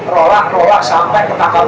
rorak rorak sampai ketakangnya di